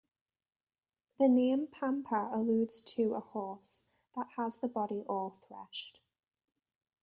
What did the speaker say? The name Pampa alludes to a horse, that has the body all threshed.